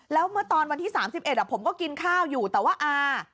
แล้วเมื่อตอนวันที่๓๑ผมก็กินข้าวอยู่แต่ว่าอา